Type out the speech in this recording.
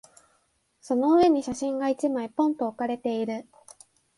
その上に写真が一枚、ぽんと置かれている。